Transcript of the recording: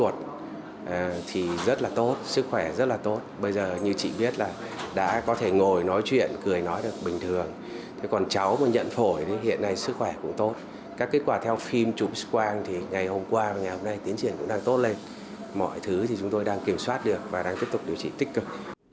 tiến triển cũng đang tốt lên mọi thứ thì chúng tôi đang kiểm soát được và đang tiếp tục điều trị tích cực